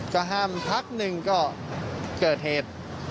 ก็ห้ามพักหนึ่งก็เกิดเหตุ